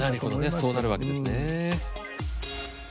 そうなるわけですね。